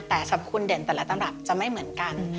แต่สรรพคุณเด่นแต่ละตำรับจะไม่เหมือนกัน